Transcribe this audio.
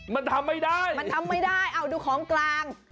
มันทำไม่ได้มันทำไม่ได้เอาดูของกลาง